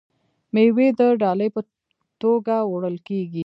میوې د ډالۍ په توګه وړل کیږي.